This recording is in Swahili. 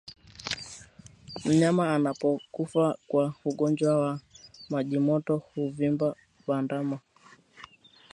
Mnyama anapokufa kwa ugonjwa wa majimoyo huvimba bandama